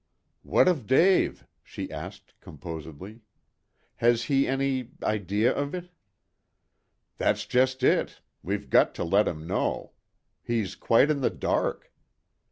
"What of Dave?" she asked composedly. "Has he any idea of it?" "That's just it. We've got to let him know. He's quite in the dark.